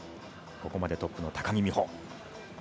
ここまでトップの高木美帆。